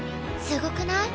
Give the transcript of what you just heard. すごくない？